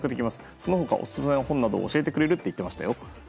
その他オススメの本を教えてくれるって言ってましたよ。